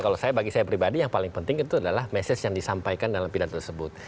kalau bagi saya pribadi yang paling penting itu adalah message yang disampaikan dalam pidato tersebut